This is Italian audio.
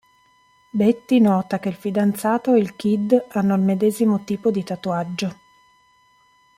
Betty nota che il fidanzato e il Kid hanno il medesimo tipo di tatuaggio.